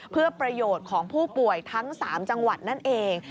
เพื่อประโยชน์ของผู้ป่วยทั้ง๓จังหวัดนั่นเอง